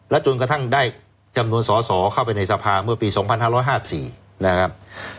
แล้วจนกระทั่งได้จำนวนสอสอเข้าไปในสภาเมื่อปีสองพันห้าร้อยห้าสี่นะครับ